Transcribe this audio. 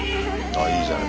あいいじゃない。